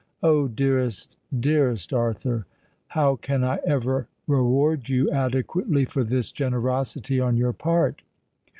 Oh! dearest—dearest Arthur! how can I ever reward you adequately for this generosity on your part?